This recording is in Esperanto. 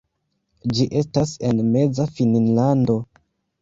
Ĝi estas en Meza Finnlando.